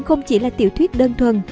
không chỉ là tiểu thuyết đơn thuần